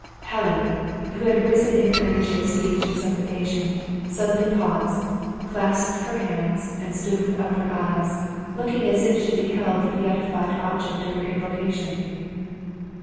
Helen, who had risen in her energy of speech and supplication, suddenly paused, clasped her hands, and stood with upward eyes, looking as if she beheld the beatified object of her invocation.